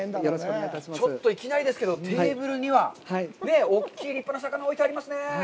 ちょっといきなりですけど、テーブルには、大きい立派な魚、置いてありますね。